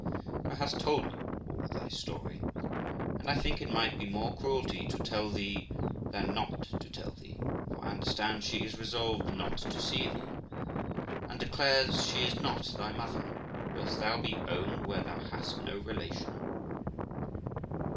Qu. Thou hast told me all thy story, and I think it might be more cruelty to tell thee than not to tell thee; for I understand she is resolved not to see thee, and declares she is not thy mother. Will'st thou be owned where thou hast no relation?